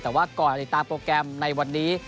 แต่ว่าก่อนติดตามโปรแกรมในวันนี้